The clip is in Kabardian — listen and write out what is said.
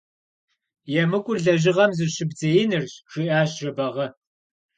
ЕмыкӀур лэжьыгъэм зыщыбдзеинырщ, – жиӀащ Жэбагъы.